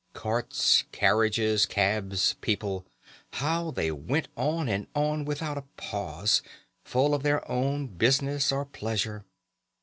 Carts, carriages, cabs, people, how they all went on and on without a pause, full of their own business or pleasure!